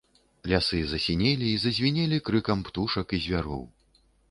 Лясы засінелі і зазвінелі крыкам птушак і звяроў.